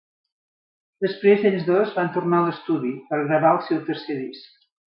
Després, ells dos van tornar a l'estudi per gravar el seu tercer disc.